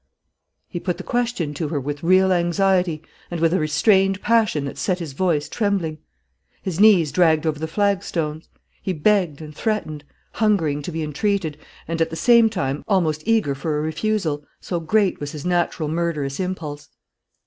He put the question to her with real anxiety and with a restrained passion that set his voice trembling. His knees dragged over the flagstones. He begged and threatened, hungering to be entreated and, at the same time, almost eager for a refusal, so great was his natural murderous impulse.